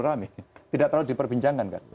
rame tidak terlalu diperbincangkan